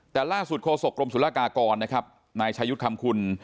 แต่ล่าสุดโฆษกรมศุลกากรนะครับนายชายุทธ์คำคุณ